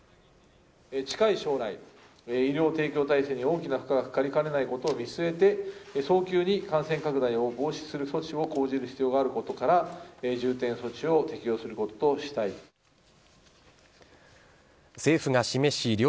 近い将来、医療提供体制に大きな負荷がかかりかねないことを見据えて、早急に感染拡大を防止する措置を講じる必要があることから、重点措置を適用することとしたい。